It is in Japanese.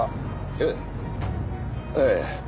えっ？ええ。